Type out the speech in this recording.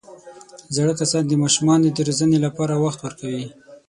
زاړه کسان د ماشومانو د روزنې لپاره وخت ورکوي